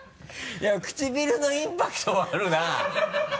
いや唇のインパクトあるな。